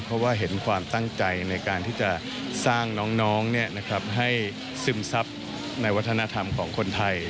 เพราะว่าเห็นความตั้งใจในการที่จะสร้างน้องให้ซึมซับในวัฒนธรรมของคนไทย